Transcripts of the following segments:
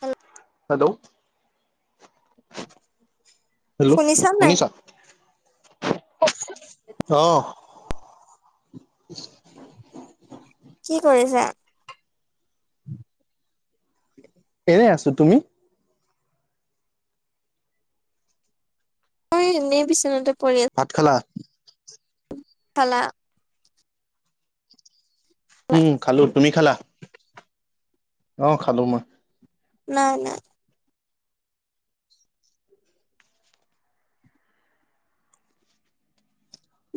Hello hello. Hello শুনিছা? অহ। কি কৰিছা? এনেই আছোঁ। তুমি? মই এই এনেই বিচনাতে পৰি আছোঁ। ভাত খালা? খালা? উম খালো। তুমি খালা? অঁ খালো মই। নাই নাই।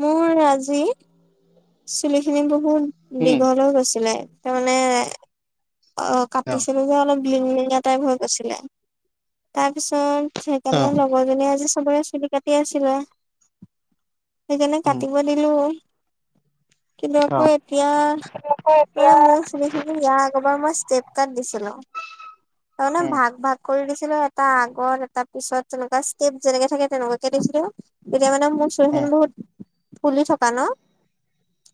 মোৰ আজি চুলিখিনি বহুত উম দীঘল হৈ গৈছিলে। তাৰমানে অঁ অ কাটি ছিলো যে অলপ লিং লিঙীয়া টাইপ হৈ গৈছিলে। তাৰপিছত অ সেইকাৰণে লগৰ জনীয়ে আজি চবৰে চুলি কাটি আছিলে। সেইকাৰণে উম কাটিব দিলোঁ। কিন্তু অ আকৌ এতিয়া মানে এতিয়া মোৰ চুলি খিনি ইয়া এইবাৰ মই ষ্টেপ কাৰ্ড দিছিলোঁ। তাৰমানে উম ভাগ ভাগ কৰি দিছিলোঁ। এটা আগত এটা পিছত তেনেকুৱা ষ্টেপ যেনেকে থাকে তেনেকুৱাকে দিছিলোঁ। এতিয়া মানে মোৰ চুলি খিনি বহুত ফুলি থকা ন?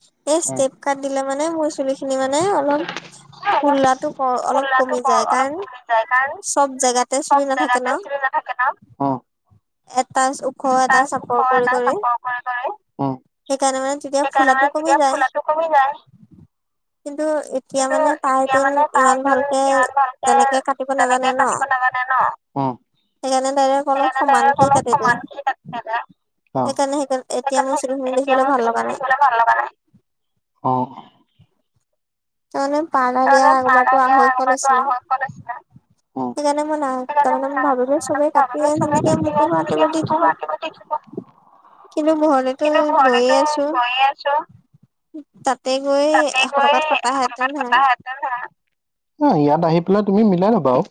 সেই উম উম ষ্টেপ কাৰ্ড দিলে মানে মোৰ চুলি খিনি মানে অলপ ফুললাটো অ অলপ কুল্লাটো কমি যায়। অলপ কাৰণ কমি কাৰণ, চব জেগাতে চুলি চব নাথাকে ন জেগাতে চুলি নাথাকে ন? হোম। এটা এটা ওখ চাপৰ কৰি এটা কৰি চাপৰ কৰাই কৰাই। উম। সেইকাৰণে মানে তেতিয়া সেইকাৰণে ফুলাটো মানে কমি তেতিয়া যায় ফুুলাটো কমি যায়। কিন্তু এতিয়া কিন্তু মানে এতিয়া সেতি মানে তাই ইমান ভালকে ইমান ভালকে তেনেকে কাটিব তেনেকে নাজানে ন। কাটিব নাজানে ন। উম সেইকাৰণে দাইৰেক অলপ সেইকাৰণে ডাইৰেক্ট সমানকেই অলপ কাটি দিলে। সমানকে কাটি দিলে। অ'। সেইকাৰণে সেইকাৰণে এতিয়া মোৰ চুলিখিনি এতিয়া দেখিবলৈ মোৰ ভাল লগা চুলিখিনি নাই। দেখিবলৈ ভাল লগা নাই। অহ। তামানে পান ত পান আম তো আ পচ ন [unintelligible] সেইকাৰণে মই নাই তাৰমানে ভাবিলো চবে মই কাটি ভাবিলো আছে চবে যেতিয়া কাটিলে মোকো তেনেকে কাটিব দি মোকো দিলোঁ। কাটিব দেখিব। কিন্তু ম‌ই ঘৰলেটো কিন্তু গৈয়ে ঘৰলেতো আছোঁ। গৈয়ে আছো, তাতে গৈ এই এশ টকাত কটা হেঁতেন ভাল [unintelligible] অহ, ইয়াত আহি পেলাই তুমি মিলাই লবা আও।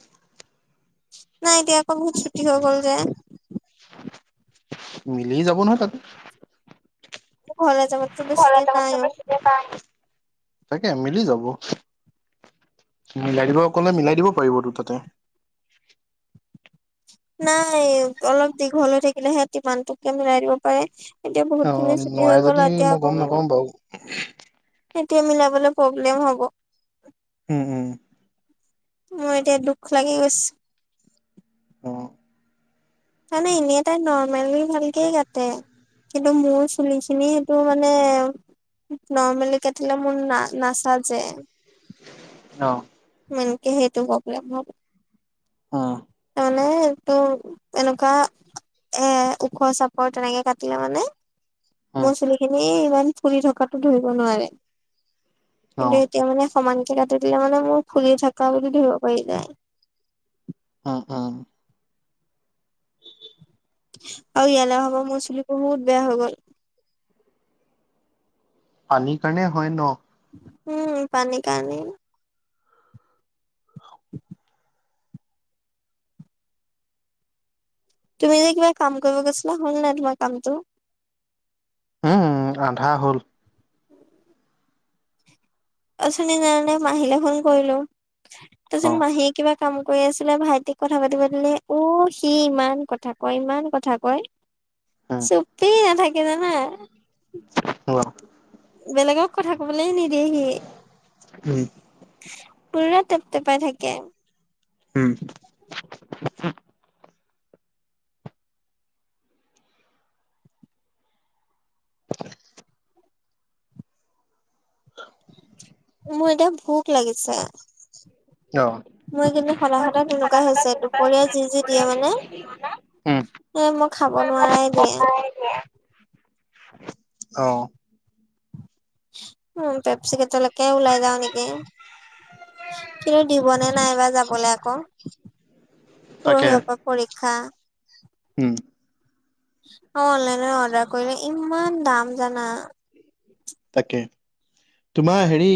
নাই এতিয়া আকৌ বহুত ছুটি হৈ গল যে। মিলি যাব নহয় তাতে। মোৰ ঘলে যাবটো বেছি ঘৰলে টাইম যাবতকৈ নাই আৱ। বেছিকে তাকে মিলি যাব। মিলাই দিব ক'লে মিলাই দিব পাৰিব তো তাতে। নাই অলপ দীঘল হৈ থাকিলেহে সিহঁতি ইমানটোকে মিলাই দিব পাৰে। এতিয়া অ' বহুতখিনি ছুটি নোৱাৰে হৈ যদি গ'ল এতিয়া মই আকৌ গম মি নাপাওঁ [inaudible] এতিয়া মিলাবলে প্ৰব্লেম হ'ব। হম- হম মোৰ এতিয়া দুখ লাগি গৈছে। অ', তামানে এনেই তাই নৰ্মেলি ভালকেই কাটে কিন কিন্তু মোৰ চুলিখিনি সেইটো মানে নৰ্মেলি কাটিলে মোৰ না নাচাযে। অহ', মেইনকে সেইটো প্ৰব্লেম হ উম, মানে সেইটো এনেকুৱা এ ওখ চাপৰ তেনেকে কাটিলে মানে উম, মোৰ চুলি খিনি ইমান ফুলি থকাতো ধৰিব নোৱাৰে। অ', কিন্তু এতিয়া মানে সমানকে কাটি দিলে মানে মোৰ ফুলি থাকা বুলি ধৰিব পাৰি যায়। উম -উম। আৰু ইয়ালে অহা পা মোৰ চুলি বহুত বেয়া হৈ গ'ল। পানী কাৰণে হয় ন? উম, পানী কাৰণেই ম তুমি যে কিবা কাম কৰিব গৈছিলা হল নে তোমাৰ কামটো? উম, আধা হ'ল। [inaudible] অথনি [unintelligible] মাহীলে ফোন কৰিলোঁ তছুন অ', মাহীয়ে কিবা কাম কৰি আছিলে ভাইটিক কথা পাতিব দিলে অ, সি ইমান কথা কয় -ইমান কথা কয় উম, চুপেই নাথাকে জানা। [unintelligible] বেলেগক কথা ক'বলেই নিদিয়েহি। উম, পুৰৰা তেপটেপাই থাকে। উম, [inaudible] মোৰ এতিয়া ভোক লাগিছে। অহ', মোৰ এইকেইদিন সদায় সদায় তেনেকুৱা হৈছে দুপৰীয়া যি যি দিয়ে মানে [unintelligible] উম, এ মই খাব নোৱাৰাই দিয়ে। অ', উম, পেপছিগেতলেকে উলাই যাওঁ নেকি? কিন্তু দিবনে নাইবা যাবলেই আকৌ তাকে পৰহিয়ৰ পা পৰীক্ষা। উম, অ, অনলাইনে অৰ্ডাৰ কৰিলে ইমান দাম জানা। তাকে তোমাৰ হেৰি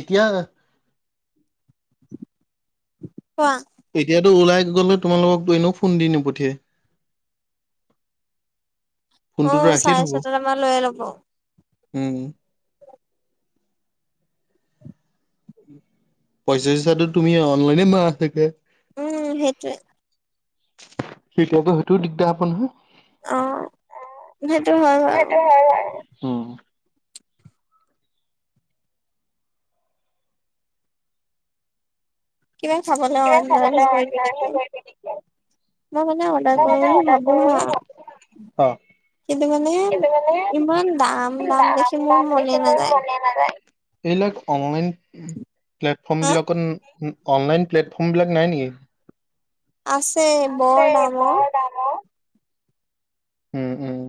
এতিয়া কোৱা? এতিয়াতো ওলাই গ'লে তোমালোককতো এনেও ফোন দি নপঠিয়াই। ফোনটোতো অ' ৰাখিয়ে চাৰে থব ছটাত আমাৰ লৈয়ে ল'ব উম, পইচা চইচাটো তুমি অনলাইনে মাৰা চাগে। উম, সেইটোৱে। সেইটো আকৌ সেইটোও দিগদাৰ হ'ব নহয়। অ', সেইটো [unintelligible] সেইটো হয় আৰু। কিবা খাবলৈ কিবা খাবলে অৰ্ডাৰহে কৰিলো আৰম্ভ নেকি সেতি মই মানে অৰ্ডাৰ কৰো বুলি ভাবো হা কিন্তু মানে ইমান দাম দাম দেখি মোৰ মনে নাযায় [unintelligible] [unintelligible] [unintelligible] এইবিলাক অনলাইন প্লেটফৰ্ম হা বিলাকত, অনলাইন প্লেটফৰ্ম বিলাক নাই নেকি? আছে। বৰ আছে দামৰ বৰ দাম অ', উম, উম,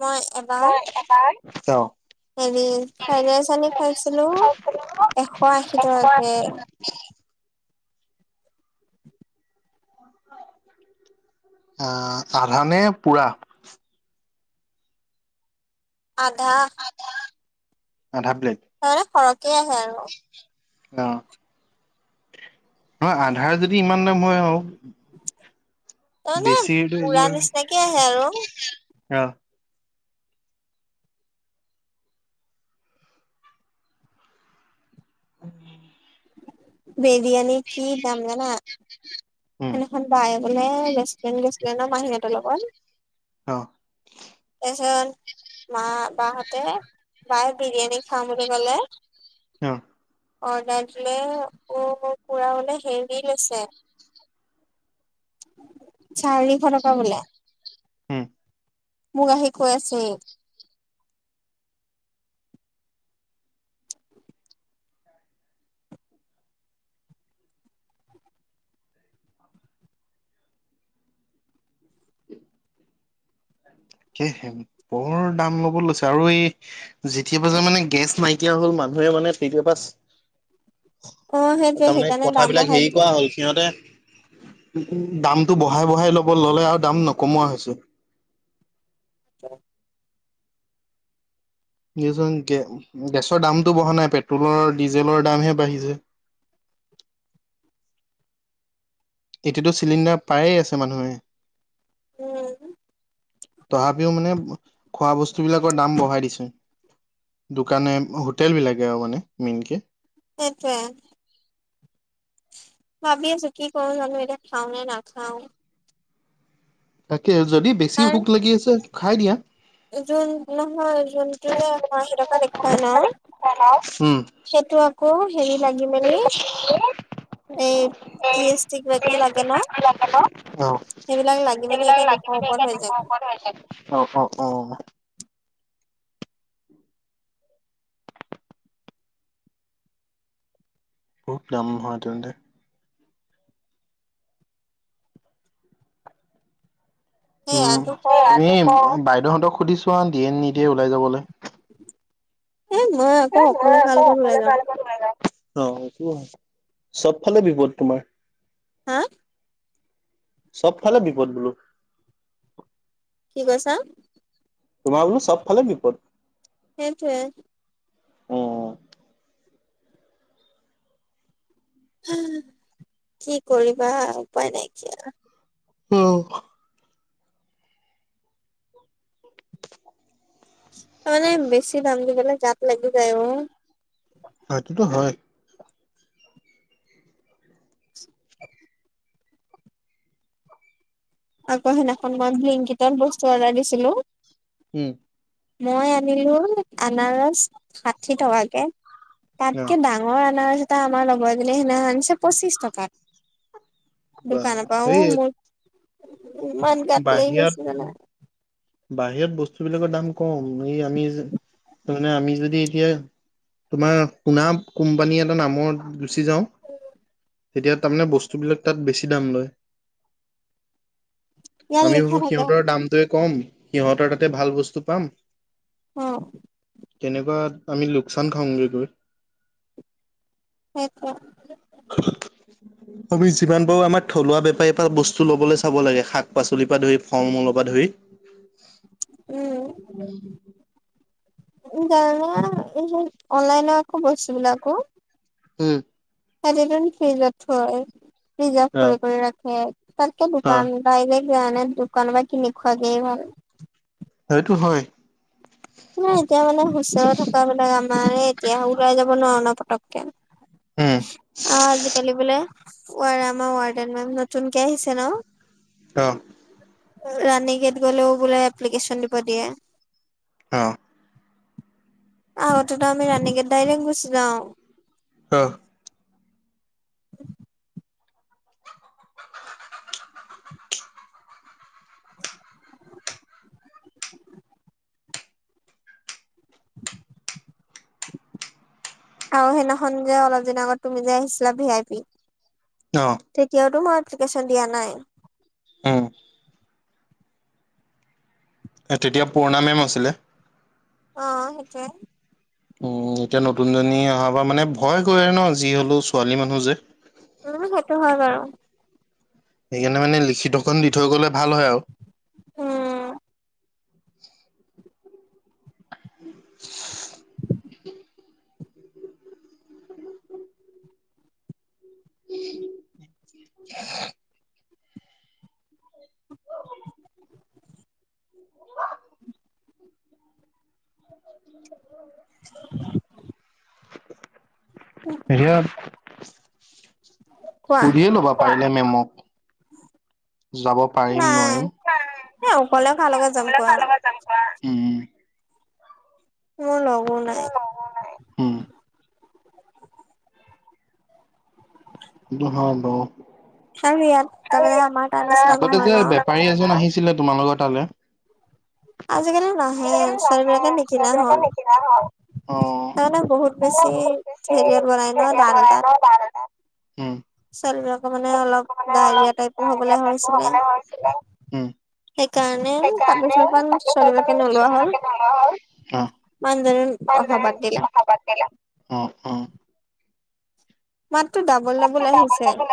মই এবাৰ বৰ এটাৰ হেৰি ফ্ৰাইড ৰাইচ আনি খাইছিলো আশী টকা। এশ আশী টকাকে। আহ আধানে পুৰা? আধা। আধা প্লেট। মানে সৰহকে আহে আৰু। অ', ন আধাৰ যদি ইমান দাম হয় আৰু। তাৰমানে বেছি হেই পুৰা নিচিনাকে আহে আৰু অ', উম। [unintelligible] বিৰিয়ানী কি দাম জানা? উম সেইদিনা খন বায়ে বোলে ৰেষ্টুৰেণ্ট গৈছিলে মাহীহতৰ লগত। অ', তাৰপিছত মা বাহঁতে বায়ে বিৰিয়ানী খাম বুলি ক'লে, অ', অৰ্ডাৰ দিলে অ' পুৰা হলে হেৰি লৈছে, চাৰিশ টকা বোলে। উম, মোক আহি কৈ আছে। [unintelligible] হে বৰ দাম ল'ব লৈছে। আৰু এই যেতিয়াবা যে মানে গেছ নাইকিয়া হল মানুহে মানে তেতিয়া অ সেইটোৱে তাৰমানে সেইকাৰণে দাম কথাবিলাক বঢ়াই হেৰি দিলে কৰা হ'ল সিহঁতে দামটো বঢ়াই-বঢ়াই ল'ব ল'লে আৰু দাম নকমোৱা হৈছে। চল [unintelligible] দেচোন গে গেছৰ দামতটো বঢ়া নাই পেট্ৰলৰ ডিজেলৰ দামহে বাঢ়িছে। এতিয়াতো চিলিণ্ডাৰ পায় আছে মানুহে। উম, তথাপিও মানে খোৱা বস্তু বিলাকৰ দাম বঢ়াই দিছে। দোকানে হোটেল বিলাকে আৰু মানে মেইনকে। সেইটোৱে। ভাবি আছো কি কৰো জানো এতিয়া খাওঁ নে নাখাওঁ? তাকে যদি বেছি ভোক কাৰণ লাগি আছে খাই দিয়া। যোন নহয় যোনটো যে এশ আশী টকা দেখুৱাই ন', উম, সেইটো আকৌ হেৰি লাগি মেলি এই জি এছ টি কিবা কিবি লাগে ন। সেইবিলাক সেইবিলাক লাগিলি মেলি লাগি দুশৰ এতিয়া ওপৰত হৈ দুশ যায়। ওপৰত হৈছে। অ', অ', অ'। খুব দাম হয় [unintelligible] সেইয়া উম, দুশ তুমি বাইদেউহঁতক হুধিচুৱা দিয়ে নিদিয়ে ওলাই যাবলৈ। এ মই এ আকৌ মই অকলে কাৰ আকৌ লগত অকলে ওলাই কাৰ যাম? লগত অ', সেইটো হয়, চবফালে বিপদ তোমাৰ। হা? চবফালে বিপদ বোলোঁ। কি কৈছা? তোমাৰ বোলোঁ চ'ব ফালে বিপদ। সেইটোৱেই। অ কি কৰিবা, উপায় নাইকিয়া। অ'। তাৰমানানে বেছি দাম দি পালে গাত লাগি যায় ও। হয়টোতো হয়। আকো সেইদিনাখন মই ব্লিংকটত বস্তু অৰ্ডাৰ দিছিলোঁ হুম। মই আনিলোঁ আনাৰস ষাঠি টকাকে, অ তাতকে দাম [unintelligible] আনাৰস এটা আমাৰ লগৰ এজনী সেইদিনাখন আনিছে পঁচিশ টকাট বা দোকানৰ পৰা সেই ও মোৰ ইমান গাত লাগি বাহিৰত গৈছে জানা। বাহিৰত বস্তু বিলাকৰ দাম কম এই আমি যে, মানে আমি যদি এতিয়া তোমাৰ সোনা কোম্পানী এটা নামৰ ছি যাওঁ, তেতিয়া তাৰ মানে বস্তুবিলাক তাত বেছি দাম লয়। ইয়াত আমি লিখা ভাবোঁ থাকে সিহঁতৰ দামটোৱে কম, সিহঁতৰ তাতে ভাল বস্তু পাম। অ'। তেনেকুৱাত আমি লোকচান খাওঁগে গৈ। সেই [unintelligible] [unintelligible] আমি যিমান পাৰোঁ আমাৰ থলুৱা বেপাৰীৰ পৰা বস্তু লবলৈ চাব লাগে শাক পাচলিৰ পৰা ধৰি ফল মূলৰ পৰা ধৰি। উম। জানা [unintelligible] অনলাইনৰ আকৌ বস্তু বিলাকো উম। [unintelligible] ফ্ৰিজত থৈ প্ৰিজাৰ্ভ অ কৰি-কৰি ৰাখে, তাতকে অ দোকান [unintelligible] দোকানৰ পৰা কিনি খোৱা কেই ভাল। সেতু হয়। ন এতিয়া মানে হুচ থকা বিলাক আমাৰ এতিয়া ওলাই যাব নোৱাৰো ন পতক অ', উম আজিকালি বোলে [unintelligible] আমাৰ ৱাৰ্ডেন মে'ম নতুনকে আহিছে ন? অ'। ৰাণী গেত গ'লেও বোলে এপ্লিকেচন দিব দিয়ে। অ'। আগতেটো আমি ৰাণী গেট ডাইৰেক্ট গুচি যাওঁ। অ'। [inaudible] আৰু সেইদিনাখন যে অলপ দিনৰ আগত তুমি যে আহিছিলা ভি আই পি অ'। তেতিয়াতো মই এপ্লিকেশ্যন দিয়া নাই। উম। এ তেতিয়া পুৰণা মেম আছিলে। অ' সেইটোৱে। উম, এতিয়া নতুনজনী অহাৰ পৰা মানে ভয় কৰে ন! যি হ'লেও ছোৱালী মানুহ যে। উম, সেইটো হয় বাৰু। সেইকাৰণে মানে লিখিতখন দি থৈ গ'লে ভাল হয় আৰু। উম। [inaudible] [inaudible] [inaudible] হেৰিয়া [inaudible] কোৱা সুধিয়ে ল'বা পাৰিলে মেমক, যাব পাৰিম নাই নোৱাৰিম? এ অকলে কাৰ লগত যাম অকলে কোৱা? কাৰ লগত উম। মোৰ লগো নাই। হুম। সেইটো হয় বাৰু, আৰু ইয়াত তাৰমানে আমাৰ তাৰ নিচিনা আগতে নহয় যে ন বেপাৰী এজন আহিছিল ছিলে তোমালোকৰ তালে। [inaudible] আজিকালি নাহে, আজিকালি নাহে ছোৱালীবিলাকে নিকিনা সেইবিলাকে হ'ল। নিকিনা হ'ল। অ'। তাৰমানে বহুত বেছি হেৰিয়াত বনাই ন! দালদাত। হুম। ছোৱালীবিলাকৰ মানে অলপ ডায়েৰিয়া টাইপো ডায়েৰিয়া হ'বলৈ টাইপৰ হৈছিলে। হ'বলে হৈছিলে। উম। সেইকাৰণে সেইকাৰণে তাৰপিছৰ পৰা তাতো ছোৱালীবিলাকে নোলোৱা হ'ল [inaudible] মানুহজনী হ'ল। অহা বাদ দিলে [inaudible] অহা বাদ দিলে, হুম হুম। মাতটো ডাবল ডাবল মাতটো আহিছে। ডাবল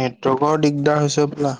নেটৱৰ্কৰ দিগদাৰ হৈছে হ'বলা।